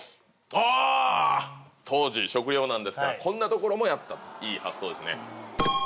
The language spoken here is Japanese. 当時食糧難ですからこんな所でもやったいい発想。